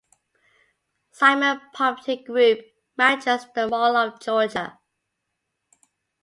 Simon Property Group manages the Mall of Georgia.